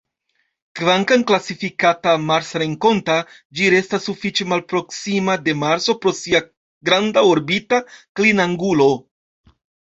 Kvankam klasifikata "marsrenkonta", ĝi restas sufiĉe malproksima de Marso pro sia granda orbita klinangulo.